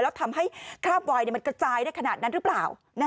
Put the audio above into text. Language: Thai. แล้วทำให้คราบวายมันกระจายได้ขนาดนั้นหรือเปล่า